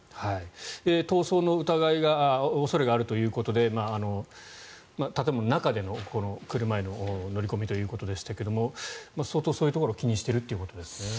逃走の恐れがあるということで建物の中での車への乗り込みということですが相当、そういうところを気にしているということですね。